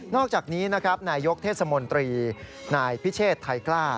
อกจากนี้นะครับนายยกเทศมนตรีนายพิเชษไทยกล้า